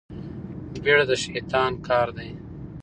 بيړه د شيطان کار دی.